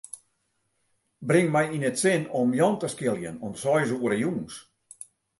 Bring my yn it sin om Jan te skiljen om seis oere jûns.